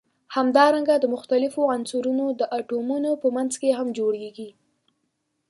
همدارنګه د مختلفو عنصرونو د اتومونو په منځ کې هم جوړیږي.